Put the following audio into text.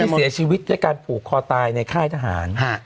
ที่เสียชีวิตธรรมที่การผูกคอตายในข้ายทหาร